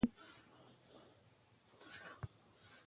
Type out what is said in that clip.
تنکۍ پېغلې په سرو ډولیو کې قرباني شوې دي.